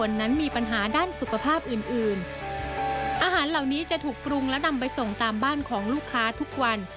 และนำไปส่งตามบ้านของลูกค้าทุกวัน